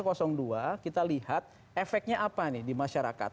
kita lihat efeknya apa nih di masyarakat